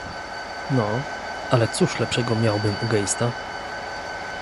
"No, ale cóż lepszego miałbym u Geista?"